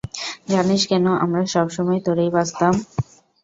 জানিস কেন আমরা সব সময় তোরেই বাছতাম?